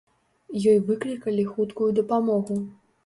Ёй выклікалі хуткую дапамогу.